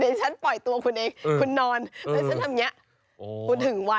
เดินฉันปล่อยตัวคุณเองคุณนอนเพราะฉันทำอย่างนี้